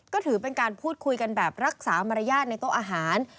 ก็ถือเป็นการพูดคุยกันแบบรักษามารยาทในโต๊ะอาหาร